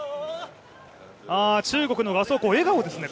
中国の賀相紅、笑顔ですね。